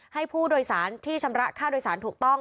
ให้ผู้โดยสารที่ชำระค่าโดยสารถูกต้อง